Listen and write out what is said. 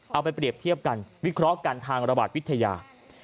เอาไปเปรียบเทียบกันวิเคราะห์กันทางระบาดวิทยา